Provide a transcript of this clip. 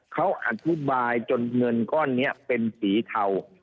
เขาอธิบายจนเงินก้อนนี้เป็นสีเทา